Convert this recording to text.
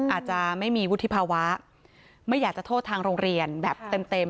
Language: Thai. อาจจะไม่มีวุฒิภาวะไม่อยากจะโทษทางโรงเรียนแบบเต็ม